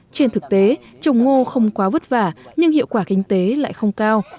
trên thực tế trồng ngô không quá vất vả nhưng hiệu quả kinh tế lại không cao